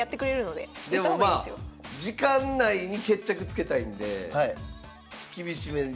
でもまあ時間内に決着つけたいんで厳しめに。